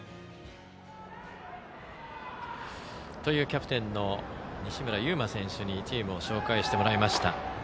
キャプテンの西村侑真選手にチームを紹介してもらいました。